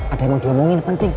ada yang mau diomongin penting